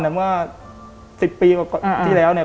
เมื่อ๑๐ปีกว่าที่แล้วเนี่ย